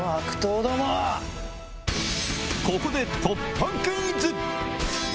ここで突破クイズ！